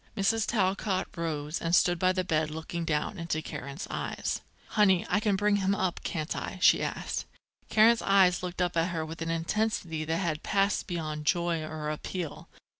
Mrs. Talcott rose and stood by the bed looking down into Karen's eyes. "Honey, I can bring him up, can't I?" she asked. Karen's eyes looked up at her with an intensity that had passed beyond joy or appeal.